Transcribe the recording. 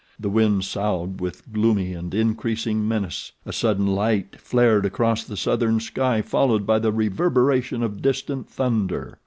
The wind soughed with gloomy and increasing menace, a sudden light flared across the southern sky followed by the reverberation of distant thunder.